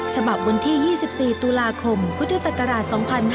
ฉบับวันที่๒๔ตุลาคมพุทธศักราช๒๕๕๙